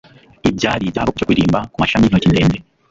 ibyari byabo byo kuririmba, kumashami yintoki ndende